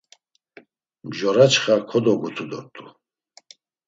Mjoraçxa kodogutu dort̆u.